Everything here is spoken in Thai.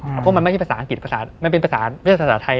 อืมเพราะมันไม่ใช่ภาษาอังกฤษภาษามันเป็นภาษาภาษาไทยอ่ะ